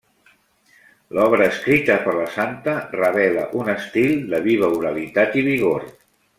L'obra escrita per la santa revela un estil de viva oralitat i vigor.